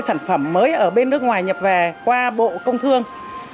sản phẩm mới ở bên nước ngoài nhập về qua bộ công thương